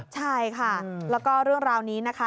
ใช่ค่ะแล้วก็เรื่องราวนี้นะคะ